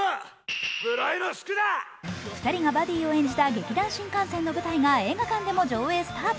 ２人がバディを演じた劇団☆新感線の舞台が映画館でも上映スタート。